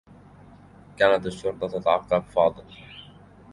كانت الشرطة تتعقّب فاضل.